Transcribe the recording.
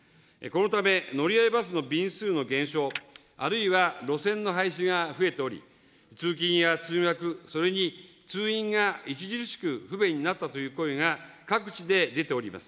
このため、乗合バスの便数の減少、あるいは路線の廃止が増えており、通勤や通学、それに通院が著しく不便になったという声が各地で出ております。